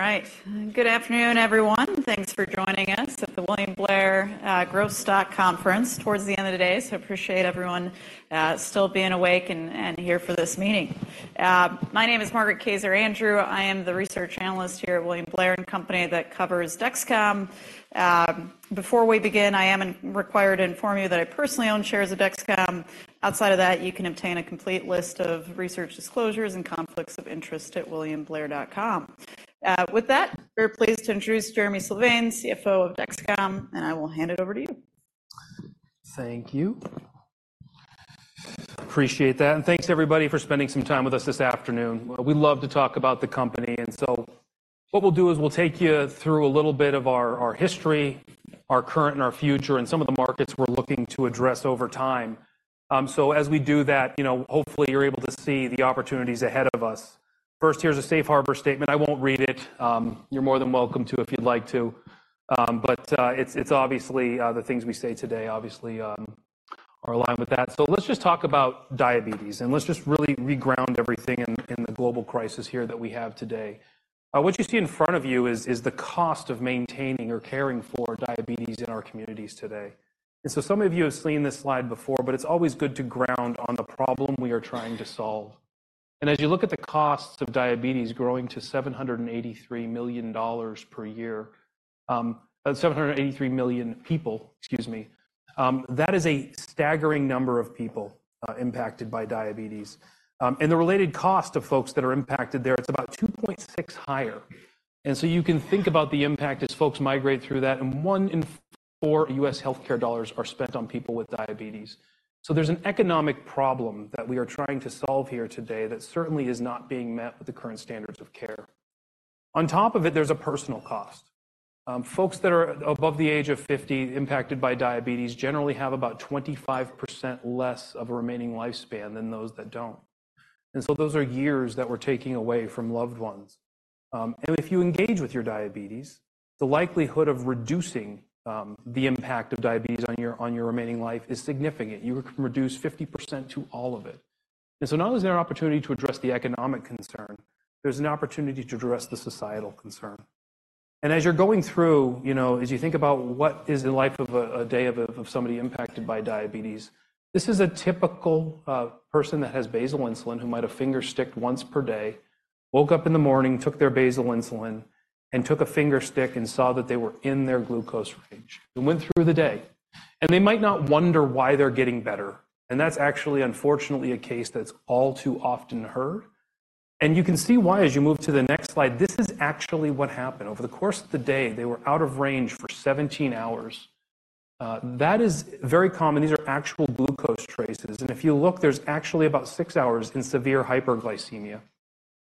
All right. Good afternoon, everyone. Thanks for joining us at the William Blair Growth Stock Conference towards the end of the day. So appreciate everyone still being awake and here for this meeting. My name is Margaret Kaczor Andrew. I am the research analyst here at William Blair & Company that covers Dexcom. Before we begin, I am required to inform you that I personally own shares of Dexcom. Outside of that, you can obtain a complete list of research disclosures and conflicts of interest at williamblair.com. With that, we're pleased to introduce Jereme Sylvain, CFO of Dexcom, and I will hand it over to you. Thank you. Appreciate that, and thanks everybody for spending some time with us this afternoon. We love to talk about the company, and so what we'll do is we'll take you through a little bit of our history, our current and our future, and some of the markets we're looking to address over time. So as we do that, you know, hopefully you're able to see the opportunities ahead of us. First, here's a safe harbor statement. I won't read it. You're more than welcome to, if you'd like to. But it's obviously the things we say today, obviously, are aligned with that. So let's just talk about diabetes, and let's just really re-ground everything in the global crisis here that we have today. What you see in front of you is the cost of maintaining or caring for diabetes in our communities today. So some of you have seen this slide before, but it's always good to ground on the problem we are trying to solve. As you look at the costs of diabetes growing to $783 million per year, 783 million people, excuse me, that is a staggering number of people impacted by diabetes. The related cost of folks that are impacted there, it's about 2.6 higher. So you can think about the impact as folks migrate through that, and one in four U.S., healthcare dollars are spent on people with diabetes. So there's an economic problem that we are trying to solve here today that certainly is not being met with the current standards of care. On top of it, there's a personal cost. Folks that are above the age of fifty, impacted by diabetes, generally have about 25% less of a remaining lifespan than those that don't. And so those are years that we're taking away from loved ones. And if you engage with your diabetes, the likelihood of reducing the impact of diabetes on your remaining life is significant. You can reduce 50% to all of it. And so not only is there an opportunity to address the economic concern, there's an opportunity to address the societal concern. And as you're going through, you know, as you think about what is the life of a day of somebody impacted by diabetes, this is a typical person that has basal insulin, who might have finger sticked once per day, woke up in the morning, took their basal insulin, and took a finger stick and saw that they were in their glucose range, and went through the day. And they might not wonder why they're getting better, and that's actually, unfortunately, a case that's all too often heard. And you can see why, as you move to the next slide, this is actually what happened. Over the course of the day, they were out of range for 17 hours. That is very common. These are actual glucose traces, and if you look, there's actually about 6 hours in severe hyperglycemia.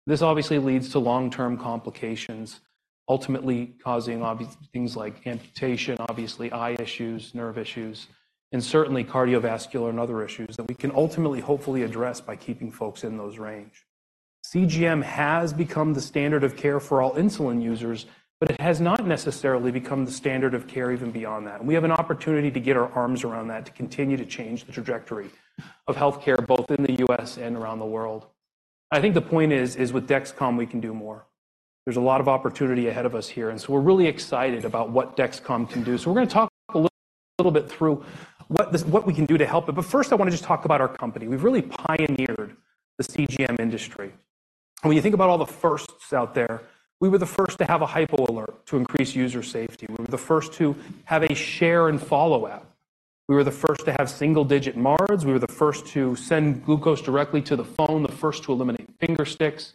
This obviously leads to long-term complications, ultimately causing obvious things like amputation, obviously eye issues, nerve issues, and certainly cardiovascular and other issues that we can ultimately, hopefully address by keeping folks in those range. CGM has become the standard of care for all insulin users, but it has not necessarily become the standard of care even beyond that. We have an opportunity to get our arms around that, to continue to change the trajectory of healthcare, both in the U.S., and around the world. I think the point is with Dexcom, we can do more. There's a lot of opportunity ahead of us here, and so we're really excited about what Dexcom can do. So we're going to talk a little bit through what we can do to help it. But first, I want to just talk about our company. We've really pioneered the CGM industry. When you think about all the firsts out there, we were the first to have a hypo alert to increase user safety. We were the first to have a Share and Follow app. We were the first to have single-digit MARDs. We were the first to send glucose directly to the phone, the first to eliminate finger sticks.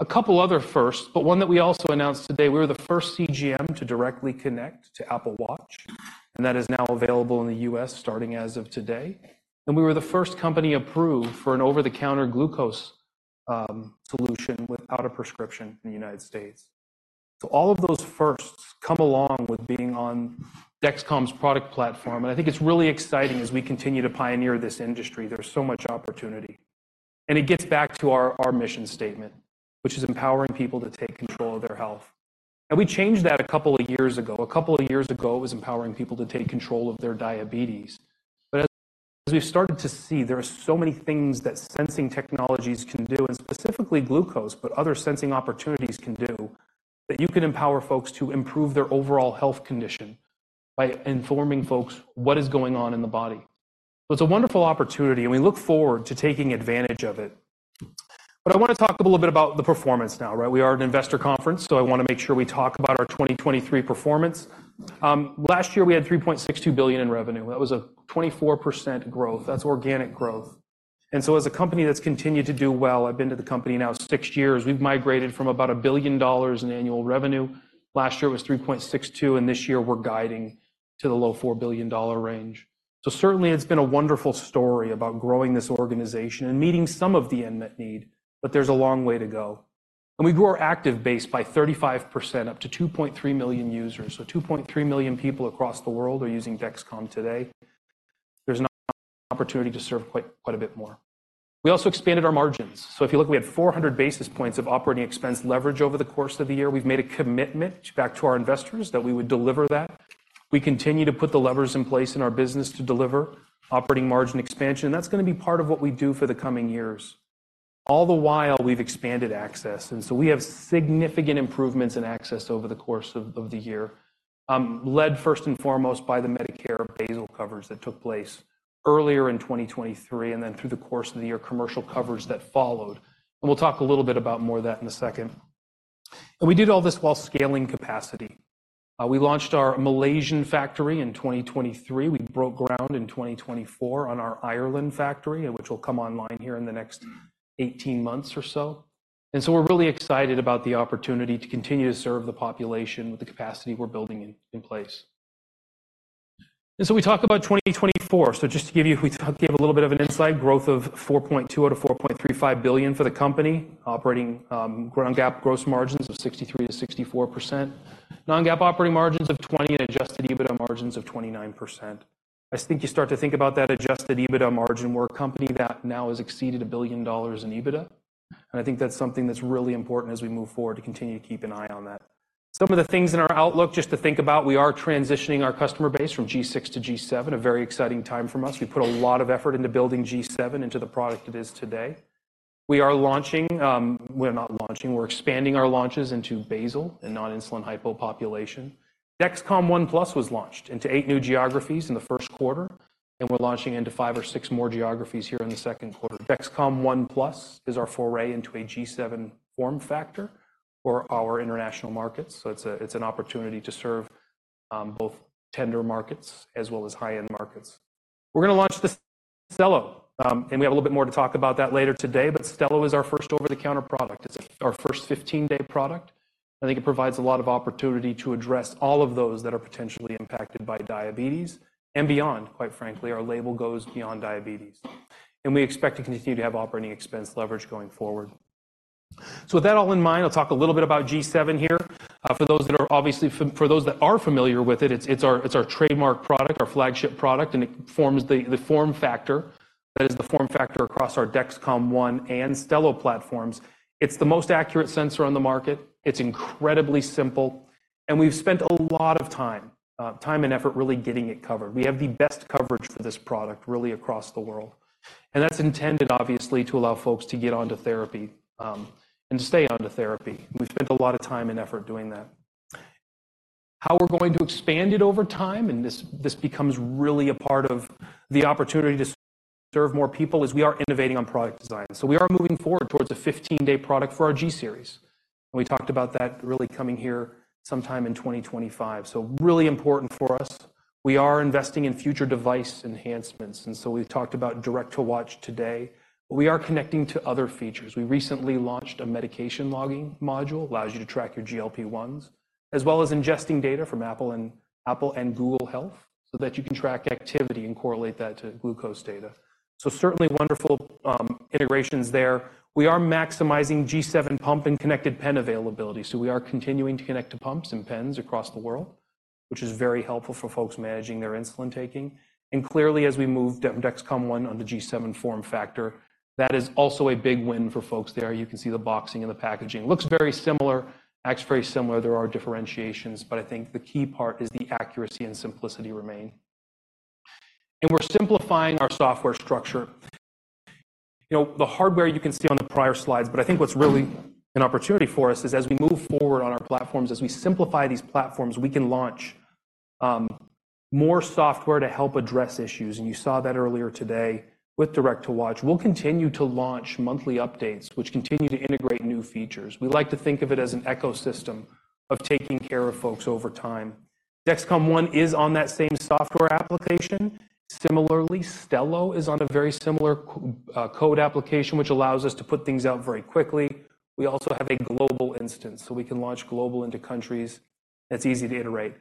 A couple other firsts, but one that we also announced today, we were the first CGM to directly connect to Apple Watch, and that is now available in the U.S., starting as of today. And we were the first company approved for an over-the-counter glucose solution without a prescription in the United States. So all of those firsts come along with being on Dexcom's product platform, and I think it's really exciting as we continue to pioneer this industry. There's so much opportunity. It gets back to our, our mission statement, which is empowering people to take control of their health. We changed that a couple of years ago. A couple of years ago, it was empowering people to take control of their diabetes. But as, as we've started to see, there are so many things that sensing technologies can do, and specifically glucose, but other sensing opportunities can do, that you can empower folks to improve their overall health condition by informing folks what is going on in the body. It's a wonderful opportunity, and we look forward to taking advantage of it. But I want to talk a little bit about the performance now, right? We are an investor conference, so I want to make sure we talk about our 2023 performance. Last year, we had $3.62 billion in revenue. That was a 24% growth. That's organic growth. And so as a company that's continued to do well, I've been to the company now 6 years, we've migrated from about $1 billion in annual revenue. Last year, it was $3.62 billion, and this year, we're guiding to the low $4 billion range. So certainly, it's been a wonderful story about growing this organization and meeting some of the unmet need, but there's a long way to go. And we grew our active base by 35%, up to 2.3 million users. So 2.3 million people across the world are using Dexcom today. There's an opportunity to serve quite, quite a bit more. We also expanded our margins. So if you look, we had 400 basis points of operating expense leverage over the course of the year. We've made a commitment back to our investors that we would deliver that... We continue to put the levers in place in our business to deliver operating margin expansion, and that's gonna be part of what we do for the coming years. All the while, we've expanded access, and so we have significant improvements in access over the course of the year, led first and foremost by the Medicare basal coverage that took place earlier in 2023, and then through the course of the year, commercial coverage that followed. And we'll talk a little bit about more of that in a second. And we did all this while scaling capacity. We launched our Malaysian factory in 2023. We broke ground in 2024 on our Ireland factory, and which will come online here in the next 18 months or so. And so we're really excited about the opportunity to continue to serve the population with the capacity we're building in place. And so we talk about 2024. So just to give you a little bit of an insight, growth of $4.2-$4.35 billion for the company, operating non-GAAP gross margins of 63%-64%. Non-GAAP operating margins of 20% and adjusted EBITDA margins of 29%. I think you start to think about that adjusted EBITDA margin. We're a company that now has exceeded $1 billion in EBITDA, and I think that's something that's really important as we move forward, to continue to keep an eye on that. Some of the things in our outlook, just to think about, we are transitioning our customer base from G6 to G7, a very exciting time for us. We put a lot of effort into building G7 into the product it is today. We are launching. We're not launching, we're expanding our launches into basal and non-insulin hypo population. Dexcom ONE+ was launched into 8 new geographies in the first quarter, and we're launching into 5 or 6 more geographies here in the second quarter. Dexcom ONE+ is our foray into a G7 form factor for our international markets, so it's a, it's an opportunity to serve both tender markets as well as high-end markets. We're gonna launch the Stelo, and we have a little bit more to talk about that later today, but Stelo is our first over-the-counter product. It's our first 15-day product. I think it provides a lot of opportunity to address all of those that are potentially impacted by diabetes and beyond, quite frankly, our label goes beyond diabetes, and we expect to continue to have operating expense leverage going forward. So with that all in mind, I'll talk a little bit about G7 here. For those that are obviously familiar with it, it's our trademark product, our flagship product, and it forms the form factor. That is the form factor across our Dexcom ONE and Stelo platforms. It's the most accurate sensor on the market. It's incredibly simple, and we've spent a lot of time and effort, really getting it covered. We have the best coverage for this product, really, across the world, and that's intended, obviously, to allow folks to get onto therapy and to stay onto therapy. We've spent a lot of time and effort doing that. How we're going to expand it over time, and this, this becomes really a part of the opportunity to serve more people, is we are innovating on product design. So we are moving forward towards a 15-day product for our G series, and we talked about that really coming here sometime in 2025. So really important for us. We are investing in future device enhancements, and so we've talked about Direct-to-Watch today. We are connecting to other features. We recently launched a medication logging module, allows you to track your GLP-1s, as well as ingesting data from Apple Health and Google Health, so that you can track activity and correlate that to glucose data. So certainly, wonderful integrations there. We are maximizing G7 pump and connected pen availability, so we are continuing to connect to pumps and pens across the world, which is very helpful for folks managing their insulin taking. And clearly, as we move Dexcom ONE on the G7 form factor, that is also a big win for folks there. You can see the boxing and the packaging. Looks very similar, acts very similar. There are differentiations, but I think the key part is the accuracy and simplicity remain. And we're simplifying our software structure. You know, the hardware you can see on the prior slides, but I think what's really an opportunity for us is, as we move forward on our platforms, as we simplify these platforms, we can launch more software to help address issues, and you saw that earlier today with Direct-to-Watch. We'll continue to launch monthly updates, which continue to integrate new features. We like to think of it as an ecosystem of taking care of folks over time. Dexcom ONE is on that same software application. Similarly, Stelo is on a very similar code application, which allows us to put things out very quickly. We also have a global instance, so we can launch global into countries. That's easy to iterate.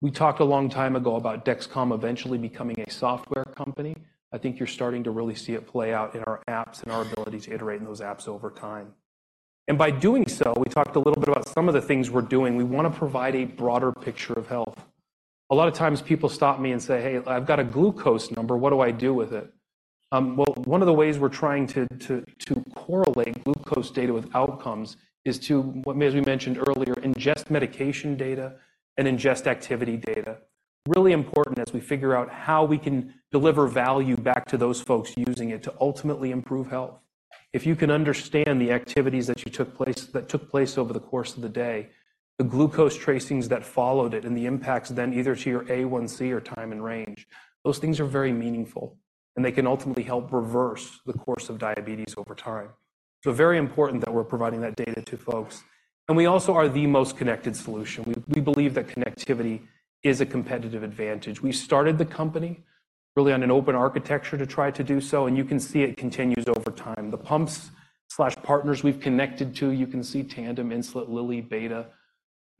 We talked a long time ago about Dexcom eventually becoming a software company. I think you're starting to really see it play out in our apps and our ability to iterate in those apps over time. And by doing so, we talked a little bit about some of the things we're doing. We wanna provide a broader picture of health. A lot of times, people stop me and say, "Hey, I've got a glucose number. What do I do with it?" Well, one of the ways we're trying to correlate glucose data with outcomes is to, as we mentioned earlier, ingest medication data and ingest activity data. Really important as we figure out how we can deliver value back to those folks using it to ultimately improve health. If you can understand the activities that took place over the course of the day, the glucose tracings that followed it, and the impacts then either to your A1C or time in range, those things are very meaningful, and they can ultimately help reverse the course of diabetes over time. So very important that we're providing that data to folks, and we also are the most connected solution. We, we believe that connectivity is a competitive advantage. We started the company really on an open architecture to try to do so, and you can see it continues over time. The pumps/partners we've connected to, you can see Tandem, Insulet,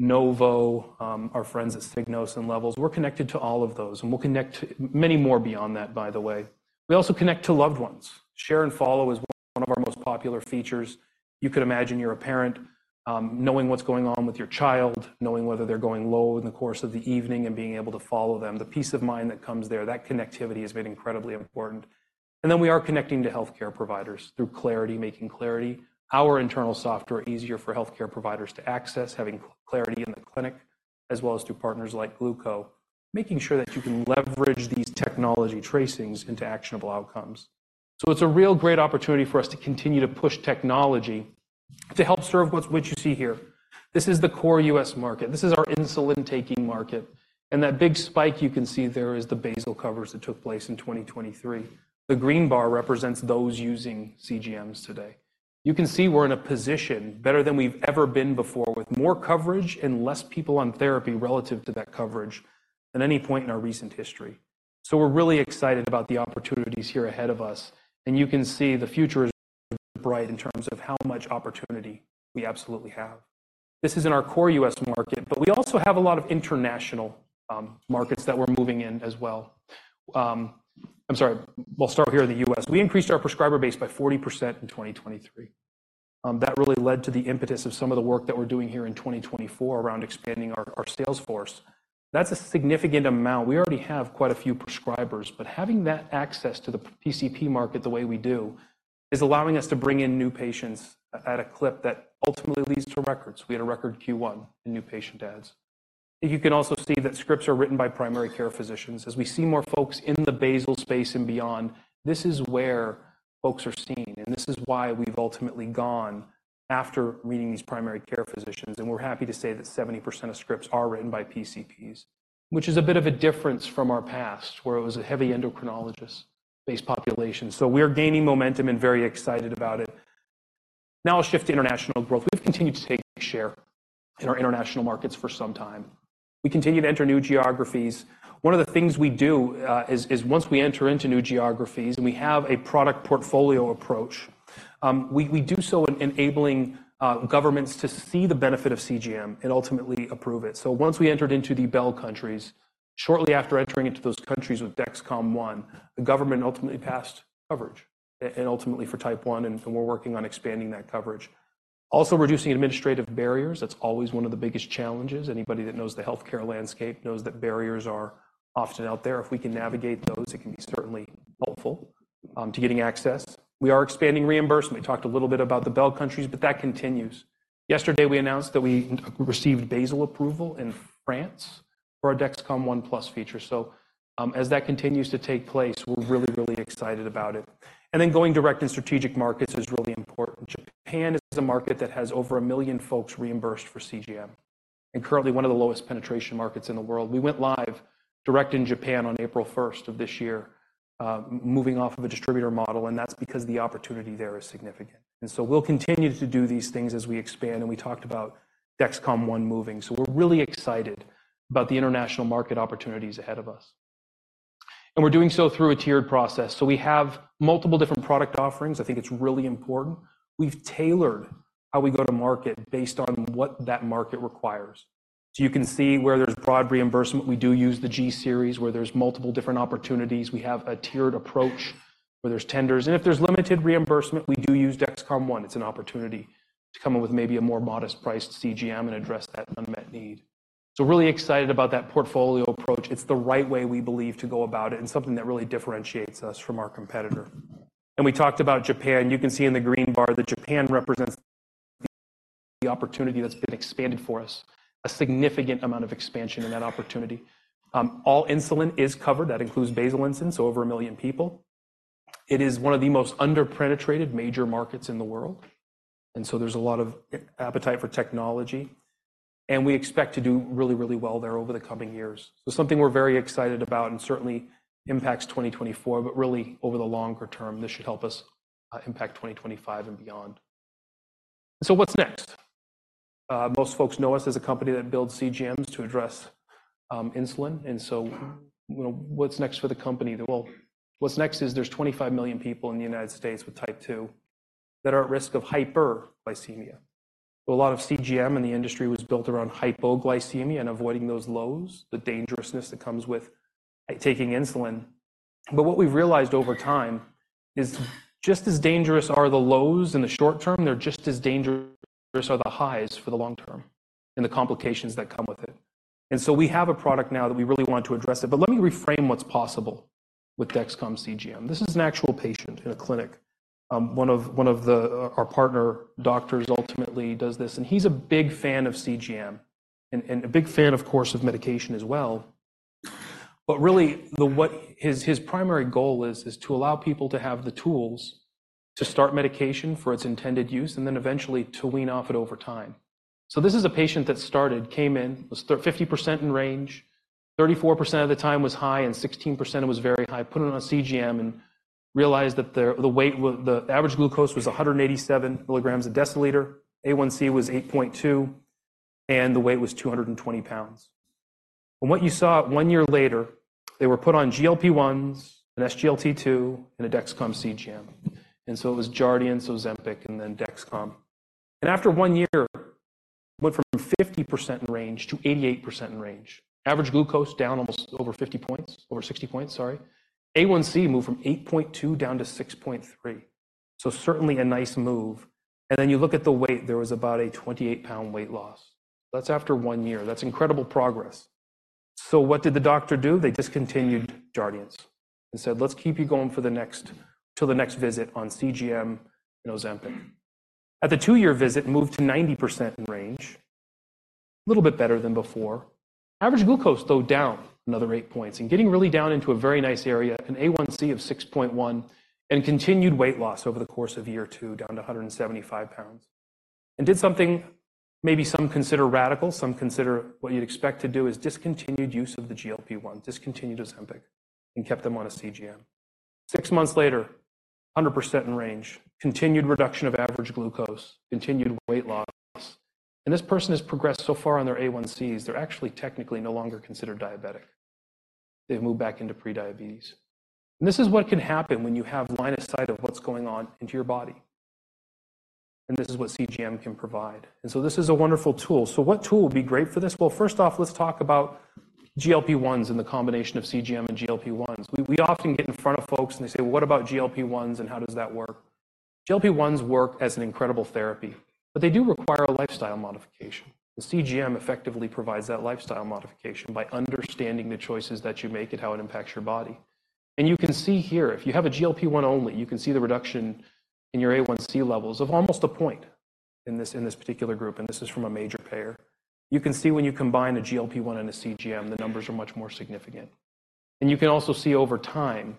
Lilly, Beta, Novo, our friends at Signos and Levels. We're connected to all of those, and we'll connect to many more beyond that, by the way. We also connect to loved ones. Share and Follow is one of our most popular features. You could imagine you're a parent, knowing what's going on with your child, knowing whether they're going low in the course of the evening and being able to follow them. The peace of mind that comes there, that connectivity has been incredibly important. And then we are connecting to healthcare providers through Clarity, making Clarity, our internal software, easier for healthcare providers to access, having Clarity in the clinic, as well as through partners like Glooko, making sure that you can leverage these technology tracings into actionable outcomes. So it's a real great opportunity for us to continue to push technology to help serve what's, what you see here. This is the core U.S. market. This is our insulin-taking market, and that big spike you can see there is the basal coverage that took place in 2023. The green bar represents those using CGMs today. You can see we're in a position better than we've ever been before, with more coverage and less people on therapy relative to that coverage than any point in our recent history. So we're really excited about the opportunities here ahead of us, and you can see the future is bright in terms of how much opportunity we absolutely have. This is in our core U.S. market, but we also have a lot of international markets that we're moving in as well. We'll start here in the U.S. We increased our prescriber base by 40% in 2023. That really led to the impetus of some of the work that we're doing here in 2024 around expanding our sales force. That's a significant amount. We already have quite a few prescribers, but having that access to the PCP market the way we do is allowing us to bring in new patients at a clip that ultimately leads to records. We had a record Q1 in new patient adds. You can also see that scripts are written by primary care physicians. As we see more folks in the basal space and beyond, this is where folks are seeing, and this is why we've ultimately gone after reaching these primary care physicians, and we're happy to say that 70% of scripts are written by PCPs, which is a bit of a difference from our past, where it was a heavy endocrinologist-based population. So we're gaining momentum and very excited about it. Now, a shift to international growth. We've continued to take share in our international markets for some time. We continue to enter new geographies. One of the things we do is once we enter into new geographies and we have a product portfolio approach, we do so in enabling governments to see the benefit of CGM and ultimately approve it. So once we entered into the BEL countries, shortly after entering into those countries with Dexcom ONE, the government ultimately passed coverage, and ultimately for Type 1, and we're working on expanding that coverage. Also, reducing administrative barriers, that's always one of the biggest challenges. Anybody that knows the healthcare landscape knows that barriers are often out there. If we can navigate those, it can be certainly helpful to getting access. We are expanding reimbursement. We talked a little bit about the BEL countries, but that continues. Yesterday, we announced that we received basal approval in France for our Dexcom ONE+ feature. So, as that continues to take place, we're really, really excited about it. And then going direct in strategic markets is really important. Japan is a market that has over 1 million folks reimbursed for CGM, and currently one of the lowest penetration markets in the world. We went live direct in Japan on April first of this year, moving off of a distributor model, and that's because the opportunity there is significant. And so we'll continue to do these things as we expand, and we talked about Dexcom ONE moving. So we're really excited about the international market opportunities ahead of us, and we're doing so through a tiered process. So we have multiple different product offerings. I think it's really important. We've tailored how we go to market based on what that market requires. So you can see where there's broad reimbursement, we do use the G series, where there's multiple different opportunities, we have a tiered approach, where there's tenders, and if there's limited reimbursement, we do use Dexcom ONE. It's an opportunity to come in with maybe a more modest-priced CGM and address that unmet need. So we're really excited about that portfolio approach. It's the right way, we believe, to go about it, and something that really differentiates us from our competitor. And we talked about Japan. You can see in the green bar that Japan represents the opportunity that's been expanded for us, a significant amount of expansion in that opportunity. All insulin is covered. That includes basal insulin, so over 1 million people. It is one of the most under-penetrated major markets in the world, and so there's a lot of appetite for technology, and we expect to do really, really well there over the coming years. So something we're very excited about and certainly impacts 2024, but really, over the longer term, this should help us, impact 2025 and beyond. So what's next? Most folks know us as a company that builds CGMs to address, insulin, and so, you know, what's next for the company? Well, what's next is there's 25 million people in the United States with Type 2 that are at risk of hyperglycemia. But a lot of CGM in the industry was built around hypoglycemia and avoiding those lows, the dangerousness that comes with taking insulin. But what we've realized over time is just as dangerous are the lows in the short term, they're just as dangerous are the highs for the long term and the complications that come with it. And so we have a product now that we really want to address it, but let me reframe what's possible with Dexcom CGM. This is an actual patient in a clinic. One of the... Our partner doctors ultimately does this, and he's a big fan of CGM and a big fan, of course, of medication as well. But really, what his primary goal is to allow people to have the tools to start medication for its intended use and then eventually to wean off it over time. So this is a patient that started, came in, was 50% in range, 34% of the time was high, and 16% was very high. Put him on a CGM and realized that the average glucose was 187 milligrams per deciliter, A1C was 8.2, and the weight was 220 pounds. And what you saw one year later, they were put on GLP-1s, an SGLT2, and a Dexcom CGM, and so it was Jardiance, Ozempic, and then Dexcom. And after one year, went from 50% in range to 88% in range. Average glucose down almost over 50 points, over 60 points, sorry. A1C moved from 8.2 down to 6.3, so certainly a nice move. And then you look at the weight, there was about a 28-pound weight loss. That's after 1 year. That's incredible progress.... So what did the doctor do? They discontinued Jardiance and said, "Let's keep you going for the next, till the next visit on CGM and Ozempic." At the 2-year visit, moved to 90% in range, a little bit better than before. Average glucose, though, down another 8 points, and getting really down into a very nice area, an A1C of 6.1, and continued weight loss over the course of year 2, down to 175 pounds. And did something maybe some consider radical, some consider what you'd expect to do, is discontinued use of the GLP-1, discontinued Ozempic, and kept them on a CGM. 6 months later, 100% in range, continued reduction of average glucose, continued weight loss, and this person has progressed so far on their A1Cs, they're actually technically no longer considered diabetic. They've moved back into prediabetes. This is what can happen when you have line of sight of what's going on into your body, and this is what CGM can provide. This is a wonderful tool. What tool would be great for this? Well, first off, let's talk about GLP-1s and the combination of CGM and GLP-1s. We, we often get in front of folks, and they say, "Well, what about GLP-1s, and how does that work?" GLP-1s work as an incredible therapy, but they do require a lifestyle modification. The CGM effectively provides that lifestyle modification by understanding the choices that you make and how it impacts your body. You can see here, if you have a GLP-1 only, you can see the reduction in your A1C levels of almost a point in this, in this particular group, and this is from a major payer. You can see when you combine a GLP-1 and a CGM, the numbers are much more significant. And you can also see over time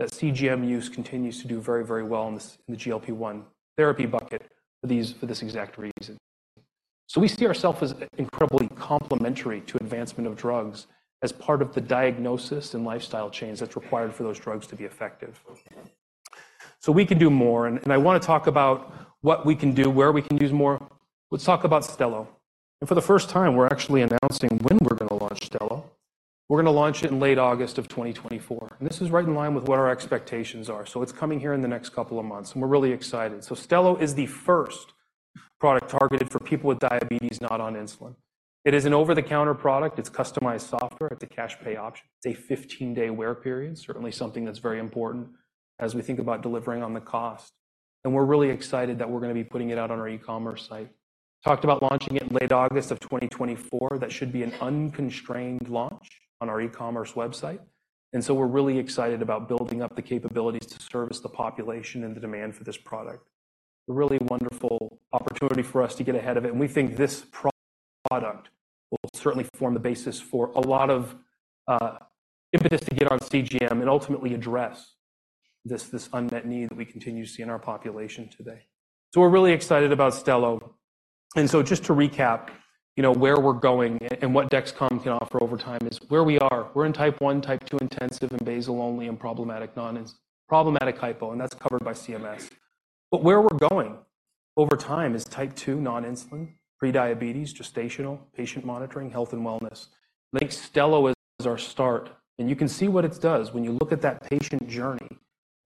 that CGM use continues to do very, very well in this, in the GLP-1 therapy bucket for this exact reason. So we see ourself as incredibly complementary to advancement of drugs as part of the diagnosis and lifestyle change that's required for those drugs to be effective. So we can do more, and I wanna talk about what we can do, where we can use more. Let's talk about Stelo. And for the first time, we're actually announcing when we're gonna launch Stelo. We're gonna launch it in late August of 2024, and this is right in line with what our expectations are. So it's coming here in the next couple of months, and we're really excited. So Stelo is the first product targeted for people with diabetes not on insulin. It is an over-the-counter product, it's customized software, it's a cash pay option. It's a 15-day wear period, certainly something that's very important as we think about delivering on the cost, and we're really excited that we're gonna be putting it out on our e-commerce site. Talked about launching it in late August of 2024. That should be an unconstrained launch on our e-commerce website, and so we're really excited about building up the capabilities to service the population and the demand for this product. A really wonderful opportunity for us to get ahead of it, and we think this product will certainly form the basis for a lot of impetus to get on CGM and ultimately address this unmet need that we continue to see in our population today. So we're really excited about Stelo. So just to recap, you know, where we're going and what Dexcom can offer over time is where we are. We're in Type 1, Type 2, intensive, and basal only, and problematic hypo, and that's covered by CMS. But where we're going over time is Type 2, non-insulin, prediabetes, gestational, patient monitoring, health and wellness. Make Stelo as our start, and you can see what it does. When you look at that patient journey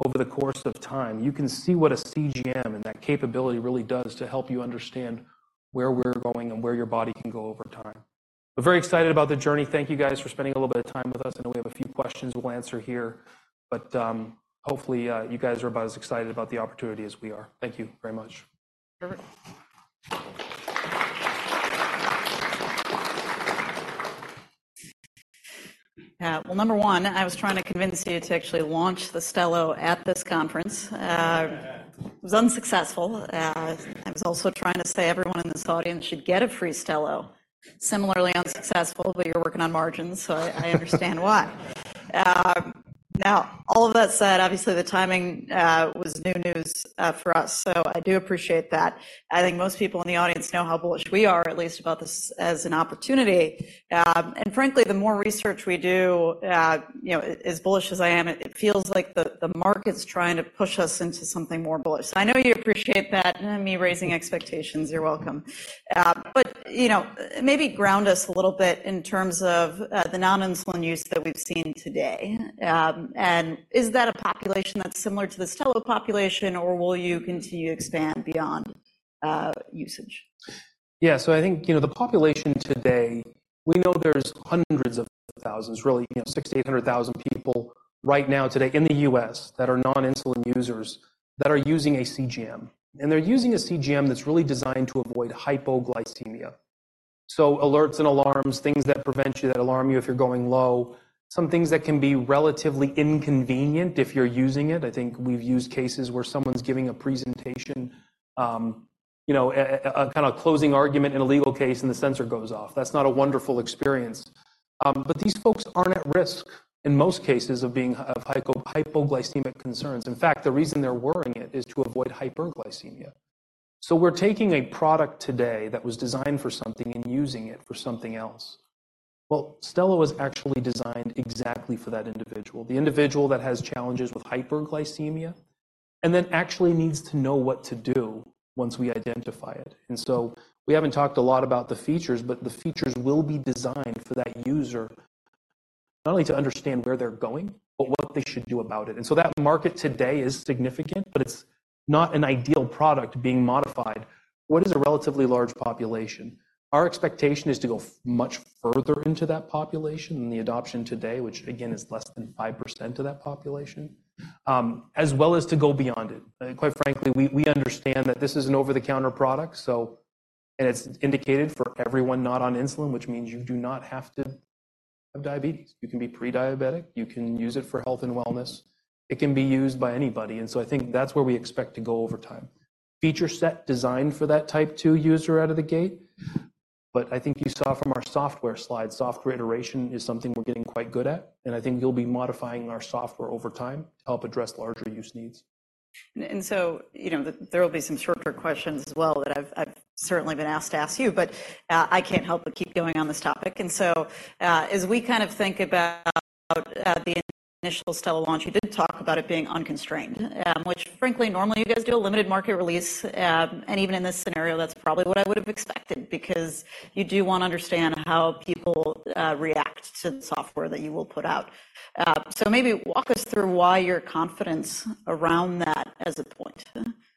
over the course of time, you can see what a CGM and that capability really does to help you understand where we're going and where your body can go over time. We're very excited about the journey. Thank you, guys, for spending a little bit of time with us. I know we have a few questions we'll answer here, but, hopefully, you guys are about as excited about the opportunity as we are. Thank you very much. Well, number one, I was trying to convince you to actually launch the Stelo at this conference. Was unsuccessful. I was also trying to say everyone in this audience should get a free Stelo. Similarly unsuccessful, but you're working on margins, so I understand why. Now, all of that said, obviously, the timing was new news for us, so I do appreciate that. I think most people in the audience know how bullish we are, at least about this as an opportunity. And frankly, the more research we do, you know, as bullish as I am, it feels like the market's trying to push us into something more bullish. I know you appreciate that, me raising expectations, you're welcome. But, you know, maybe ground us a little bit in terms of the non-insulin use that we've seen today. Is that a population that's similar to the Stelo population, or will you continue to expand beyond usage? Yeah, so I think, you know, the population today, we know there's hundreds of thousands, really, you know, 60,000-800,000 people right now today in the U.S., that are non-insulin users, that are using a CGM. And they're using a CGM that's really designed to avoid hypoglycemia. So alerts and alarms, things that prevent you, that alarm you if you're going low, some things that can be relatively inconvenient if you're using it. I think we've used cases where someone's giving a presentation, you know, a kind of closing argument in a legal case, and the sensor goes off. That's not a wonderful experience. But these folks aren't at risk in most cases of being hypoglycemic concerns. In fact, the reason they're wearing it is to avoid hyperglycemia. So we're taking a product today that was designed for something and using it for something else. Well, Stelo was actually designed exactly for that individual, the individual that has challenges with hyperglycemia, and then actually needs to know what to do once we identify it. And so we haven't talked a lot about the features, but the features will be designed for that user, not only to understand where they're going, but what they should do about it. And so that market today is significant, but it's not an ideal product being modified. What is a relatively large population? Our expectation is to go much further into that population than the adoption today, which again, is less than 5% of that population, as well as to go beyond it. Quite frankly, we understand that this is an over-the-counter product, so... It's indicated for everyone not on insulin, which means you do not have to have diabetes. You can be pre-diabetic, you can use it for health and wellness. It can be used by anybody, and so I think that's where we expect to go over time. Feature set designed for that Type 2 user out of the gate, but I think you saw from our software slide, software iteration is something we're getting quite good at, and I think you'll be modifying our software over time to help address larger use needs. And so, you know, there will be some shorter questions as well that I've certainly been asked to ask you, but I can't help but keep going on this topic. And so, as we kind of think about the initial Stelo launch, you did talk about it being unconstrained. Which frankly, normally you guys do a limited market release, and even in this scenario, that's probably what I would have expected, because you do want to understand how people react to the software that you will put out. So maybe walk us through why your confidence around that as a point.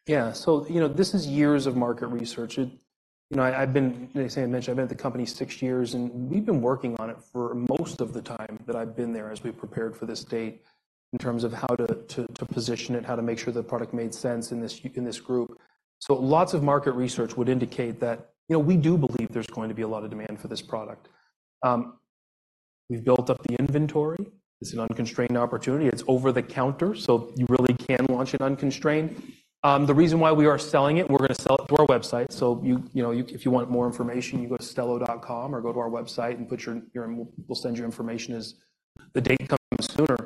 Yeah. So, you know, this is years of market research. You know, I, I've been, as I mentioned, I've been at the company six years, and we've been working on it for most of the time that I've been there, as we prepared for this date, in terms of how to position it, how to make sure the product made sense in this group. So lots of market research would indicate that, you know, we do believe there's going to be a lot of demand for this product. We've built up the inventory. It's an unconstrained opportunity. It's over the counter, so you really can launch it unconstrained. The reason why we are selling it, we're gonna sell it through our website, so you, you know, if you want more information, you go to Stelo.com or go to our website and put your... We'll send you information as the date comes sooner.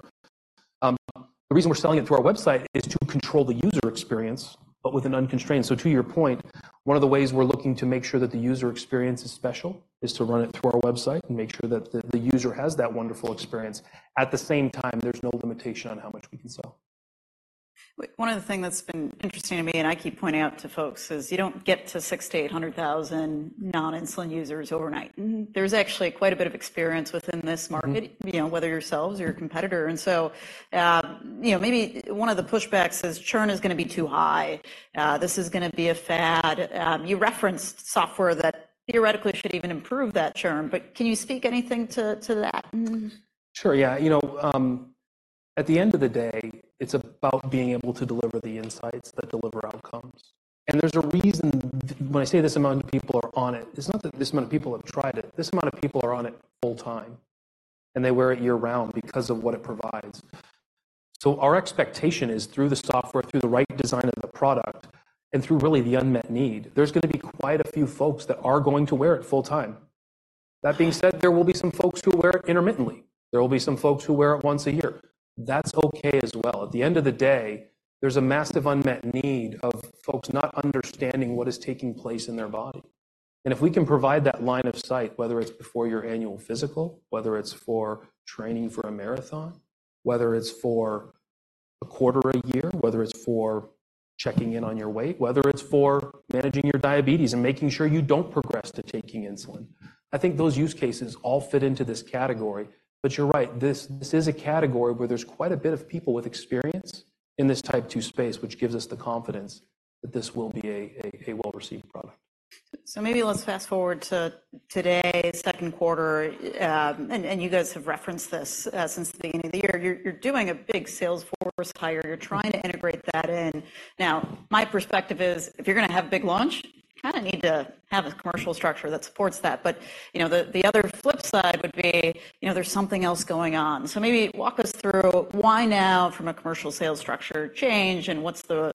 The reason we're selling it through our website is to control the user experience, but with an unconstrained. So to your point, one of the ways we're looking to make sure that the user experience is special is to run it through our website and make sure that the, the user has that wonderful experience. At the same time, there's no limitation on how much we can sell. One of the things that's been interesting to me, and I keep pointing out to folks, is you don't get to 60-800,000 non-insulin users overnight. There's actually quite a bit of experience within this market- Mm-hmm. You know, whether yourselves or your competitor. And so, you know, maybe one of the pushbacks is churn is gonna be too high. This is gonna be a fad. You referenced software that theoretically should even improve that churn, but can you speak anything to that? Sure, yeah. You know, at the end of the day, it's about being able to deliver the insights that deliver outcomes. And there's a reason, when I say this amount of people are on it, it's not that this amount of people have tried it. This amount of people are on it full time, and they wear it year-round because of what it provides. So our expectation is, through the software, through the right design of the product, and through really the unmet need, there's gonna be quite a few folks that are going to wear it full time. That being said, there will be some folks who wear it intermittently. There will be some folks who wear it once a year. That's okay as well. At the end of the day, there's a massive unmet need of folks not understanding what is taking place in their body. If we can provide that line of sight, whether it's before your annual physical, whether it's for training for a marathon, whether it's for a quarter a year, whether it's for checking in on your weight, whether it's for managing your diabetes and making sure you don't progress to taking insulin, I think those use cases all fit into this category. But you're right, this is a category where there's quite a bit of people with experience in this Type 2 space, which gives us the confidence that this will be a well-received product. So maybe let's fast-forward to today, second quarter, and you guys have referenced this since the beginning of the year. You're doing a big sales force hire. You're trying to integrate that in. Now, my perspective is, if you're gonna have a big launch, you kinda need to have a commercial structure that supports that. But you know, the other flip side would be, you know, there's something else going on. So maybe walk us through why now, from a commercial sales structure change, and what's the,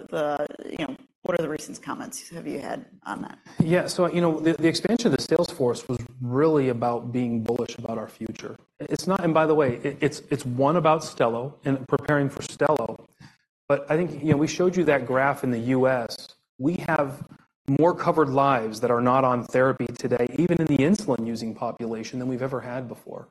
you know, what are the recent comments have you had on that? Yeah, so you know, the expansion of the sales force was really about being bullish about our future. It's not... And by the way, it's one about Stelo and preparing for Stelo, but I think, you know, we showed you that graph in the US. We have more covered lives that are not on therapy today, even in the insulin-using population, than we've ever had before.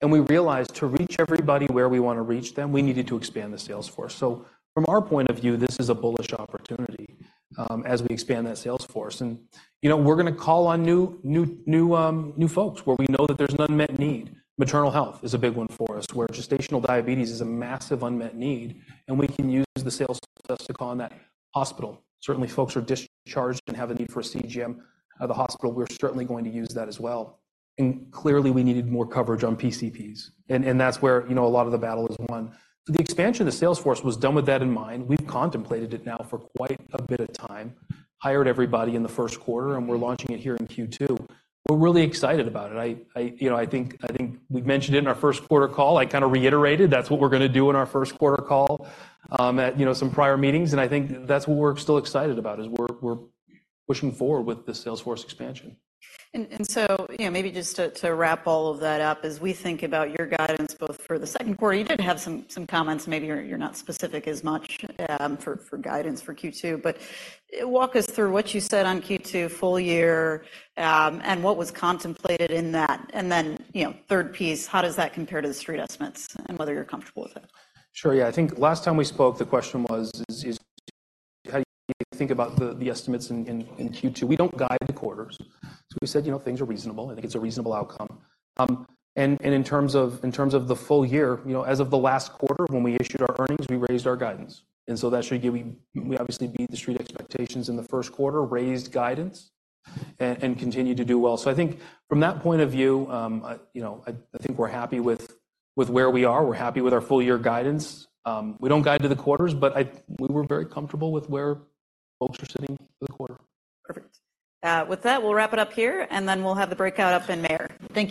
And we realized to reach everybody where we want to reach them, we needed to expand the sales force. So from our point of view, this is a bullish opportunity, as we expand that sales force. And you know, we're gonna call on new folks where we know that there's an unmet need. Maternal health is a big one for us, where gestational diabetes is a massive unmet need, and we can use the sales force to call on that hospital. Certainly, folks are discharged and have a need for a CGM at the hospital. We're certainly going to use that as well. And clearly, we needed more coverage on PCPs, and that's where, you know, a lot of the battle is won. So the expansion of the sales force was done with that in mind. We've contemplated it now for quite a bit of time, hired everybody in the first quarter, and we're launching it here in Q2. We're really excited about it. I, you know, I think we've mentioned it in our first quarter call. I kinda reiterated that's what we're gonna do in our first quarter call, at you know, some prior meetings, and I think that's what we're still excited about, is we're pushing forward with the sales force expansion. So, you know, maybe just to wrap all of that up, as we think about your guidance, both for the second quarter, you did have some comments, maybe you're not specific as much, for guidance for Q2. But walk us through what you said on Q2 full year, and what was contemplated in that. And then, you know, third piece, how does that compare to the Street estimates and whether you're comfortable with it? Sure, yeah. I think last time we spoke, the question was how do you think about the estimates in Q2? We don't guide the quarters. So we said, you know, things are reasonable, and I think it's a reasonable outcome. And in terms of the full year, you know, as of the last quarter, when we issued our earnings, we raised our guidance. And so that should give you. We obviously beat the Street expectations in the first quarter, raised guidance, and continued to do well. So I think from that point of view, you know, I think we're happy with where we are. We're happy with our full-year guidance. We don't guide to the quarters, but we were very comfortable with where folks were sitting for the quarter. Perfect. With that, we'll wrap it up here, and then we'll have the breakout up in there. Thank you.